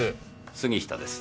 杉下です。